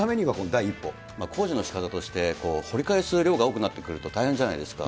工事のしかたとして、掘り返す量が多くなってくると大変じゃないですか。